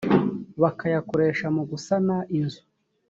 bakayakoresha mu gusana inzu